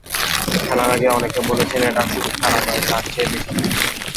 খেলার আগে অনেকেই বলেছেন, এটা শুধু খেলা নয়, তার চেয়ে বেশি কিছু।